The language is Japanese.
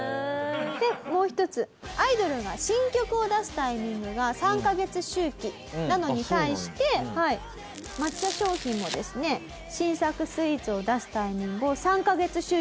でもう一つアイドルが新曲を出すタイミングが３カ月周期なのに対して抹茶商品もですね新作スイーツを出すタイミングを３カ月周期にしました。